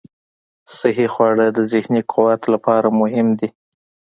صحي خواړه د ذهني قوت لپاره مهم دي.